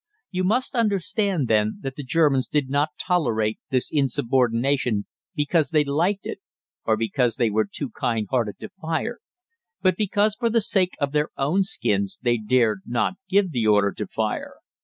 You must understand then that the Germans did not tolerate this insubordination because they liked it or because they were too kind hearted to fire, but because for the sake of their own skins they dared not give the order to fire.